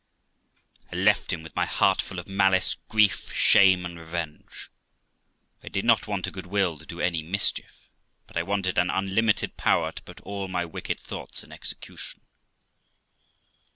I left him, with my heart full of malice, grief, shame, and revenge. I did not want a good will to do any mischief; but I wanted an unlimited power to put all my wicked thoughts in execution.